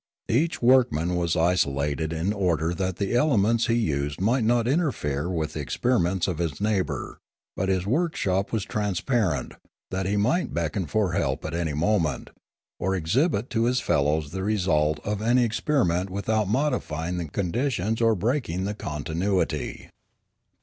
Each workman was isolated in order that the elements he used might not interfere with the ex periments of his neighbour; but his workshop was Oolorefa 1 73 transparent, that he might beckon for help at any mo ment, or exhibit to his fellows the result of any experi ment without modifying the conditions or breaking the continuity.